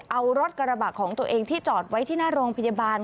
เอารถกระบะของตัวเองที่จอดไว้ที่หน้าโรงพยาบาล